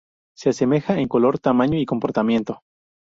Se asemeja en color, tamaño y comportamiento.